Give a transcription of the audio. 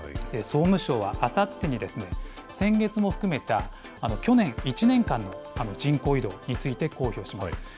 総務省はあさってに、先月も含めた去年１年間の人口移動について公表します。